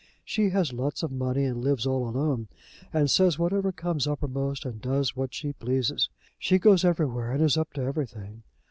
She has lots of money, and lives all alone, and says whatever comes uppermost, and does what she pleases. She goes everywhere, and is up to everything.